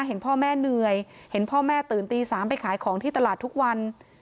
เห็นพ่อแม่เหนื่อยเห็นพ่อแม่ตื่นตี๓ไปขายของที่ตลาดทุกวัน